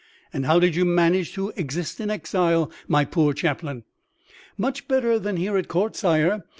"And how did you manage to exist in exile, my poor chaplain?" "Much better than here at court, sire.